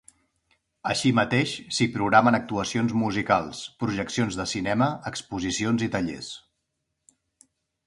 Així mateix, s'hi programen actuacions musicals, projeccions de cinema, exposicions i tallers.